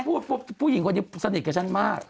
พวกผู้หญิงกันสนิทกับฉันมาก